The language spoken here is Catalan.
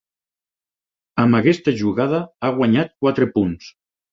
Amb aquesta jugada ha guanyat quatre punts.